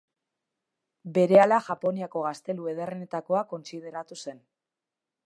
Berehala Japoniako gaztelu ederrenetakoa kontsideratu zen.